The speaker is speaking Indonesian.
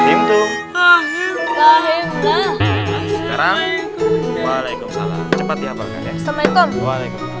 sekarang waalaikumsalam cepat dihapalkan ya